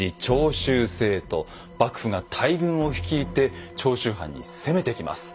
幕府が大軍を率いて長州藩に攻めてきます。